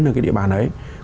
trong cái địa bàn ấy